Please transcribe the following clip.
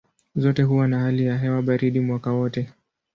Zote huwa na hali ya hewa baridi mwaka wote.